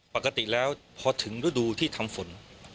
ปกติแล้วพอถึงฤดูที่ทำฝน